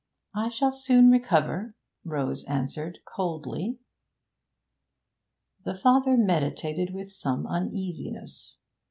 'I shall soon recover,' Rose answered coldly. The father meditated with some uneasiness.